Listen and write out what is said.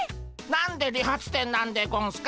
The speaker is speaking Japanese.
何で理髪店なんでゴンスか？